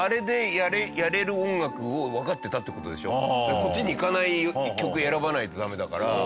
こっちに行かない曲選ばないとダメだから。